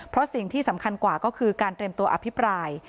เพราะสิ่งที่สำคัญกว่าก็คือการเตรียมตัวอภิปราย